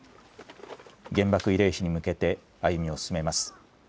原爆慰霊碑に向けて歩みを進めます。